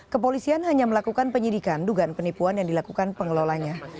kepolisian hanya melakukan penyidikan dugaan penipuan yang dilakukan pengelolanya